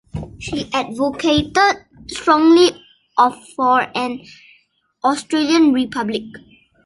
She advocated strongly for an Australian republic.